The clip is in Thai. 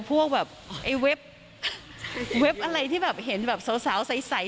พวกเว็บอะไรที่เห็นสาวใส